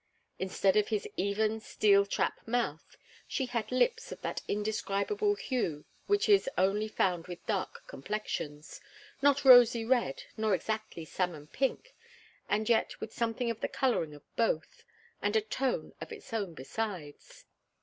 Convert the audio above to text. Instead of his even, steel trap mouth, she had lips of that indescribable hue which is only found with dark complexions not rosy red, nor exactly salmon pink, and yet with something of the colouring of both, and a tone of its own besides.